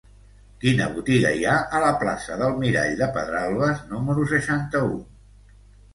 Quina botiga hi ha a la plaça del Mirall de Pedralbes número seixanta-u?